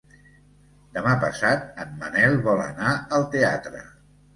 Demà passat en Manel vol anar al teatre.